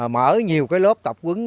mở nhiều cái lớp tập quấn